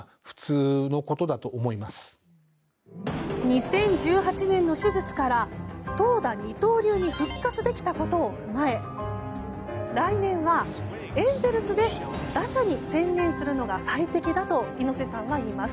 ２０１８年の手術から投打二刀流に復活できたことを踏まえ来年はエンゼルスで打者に専念するのが最適だと猪瀬さんは言います。